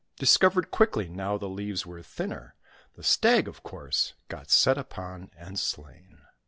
] Discovered quickly now the leaves were thinner The Stag, of course, got set upon and slain.